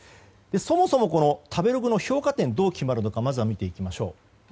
そもそもこの食べログの評価点どう決まるのかまずは見ていきましょう。